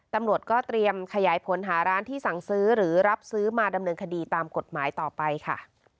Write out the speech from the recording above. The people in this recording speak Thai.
ตำรวจก็เตรียมขยายผลหาร้านที่สั่งซื้อหรือรับซื้อมาดำเนินคดีตามกฎหมายต่อไปค่ะ